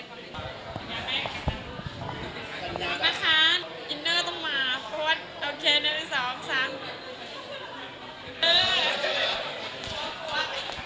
ขอบคุณค่ะ